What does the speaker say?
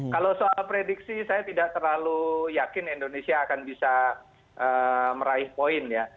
kalau soal prediksi saya tidak terlalu yakin indonesia akan bisa meraih poin ya